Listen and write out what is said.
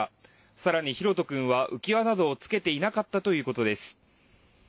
更に大翔君は、浮き輪などをつけていなかったということです。